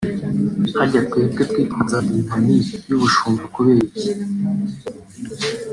Harya twebwe twitwazaga inkoni y'ubushumba kubera iki